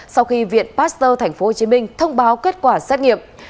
sau khi viện pasteur tp hcm thông báo kết quả xét nghiệm